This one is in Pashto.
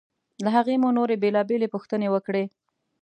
له هغه مو نورې بېلابېلې پوښتنې وکړې.